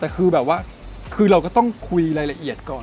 คือเราก็ต้องคุยรายละเอียดก่อน